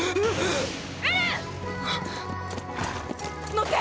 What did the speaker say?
乗って！